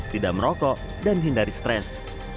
tidak merokok dan hindari stres